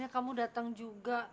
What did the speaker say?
tapi kamu hilang melulu dari sasana